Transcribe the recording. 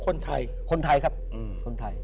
คนไทยคนไทยครับคนไทย